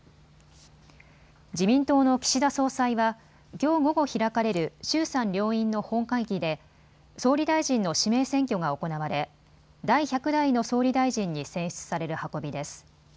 自民党の岸田総裁はきょう午後開かれる衆参両院の本会議で総理大臣の指名選挙が行われ第１００代の総理大臣に選出される運びです。